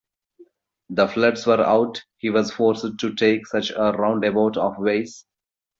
The floods were out, he was forced to take such a roundabout of ways!